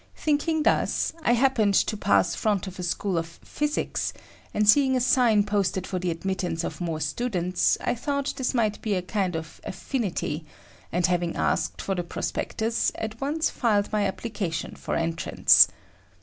Thinking thus, I happened to pass front of a school of physics, and seeing a sign posted for the admittance of more students, I thought this might be a kind of "affinity," and having asked for the prospectus, at once filed my application for entrance.